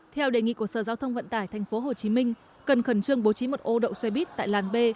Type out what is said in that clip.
theo đề nghị của sở giao thông vận tải tp hcm cần khẩn trương bố trí một ô đậu xe buýt tại làn b